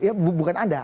ya bukan anda